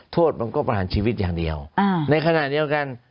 โทษมันก็ประหารชีวิตอย่างเดียวในขณะเดียวกัน